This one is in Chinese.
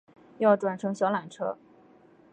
要转乘小缆车